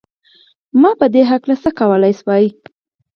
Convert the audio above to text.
ما په دې هکله څه کولای شول؟